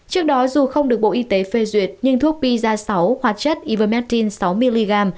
trước đó dù không được bộ y tế phê duyệt nhưng thuốc pisa sáu hoạt chất ivermectin sáu mg